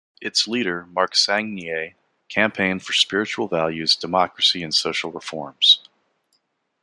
Its leader, Marc Sangnier, campaigned for spiritual values, democracy and social reforms.